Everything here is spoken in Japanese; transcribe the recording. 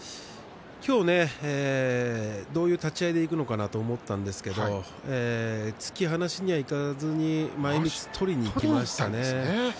今日どういう立ち合いでいくのかなと思ったんですけど突き放しにはいかずに前みつを取りにいきましたね。